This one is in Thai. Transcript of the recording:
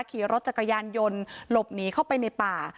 ขี่รถจักรยานยนต์หลบหนีเข้าไปในป่า